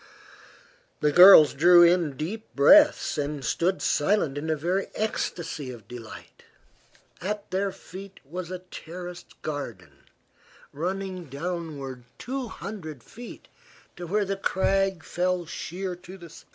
The girls drew in deep breaths and stood silent in a very ecstacy of delight. At their feet was a terraced garden, running downward two hundred feet to where the crag fell sheer to the sea.